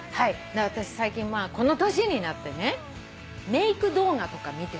私最近この年になってねメーク動画とか見てるの。